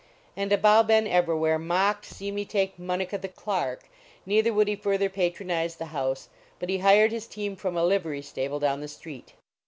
And Abou Ben Evrawhair mocked Seme Taik Munnica the Clark; neither would he further patronize the house, but he hired his team from a livery stable down the street.